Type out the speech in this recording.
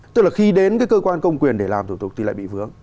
tức là khi đến cái cơ quan công quyền để làm thủ tục thì lại bị vướng